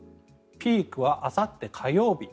ピークはあさって火曜日。